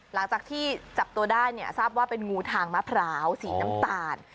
หลังจากที่จับตัวได้เนี่ยทราบว่าเป็นงูทางมะพร้าวสีน้ำตาล